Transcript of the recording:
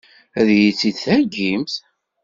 Ad iyi-tt-id-theggimt?